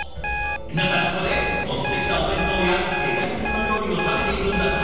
皆さんここで持ってきたお弁当やケータリングの料理を食べているんだとか。